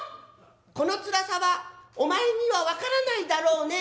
「このつらさはお前には分からないだろうねえ」。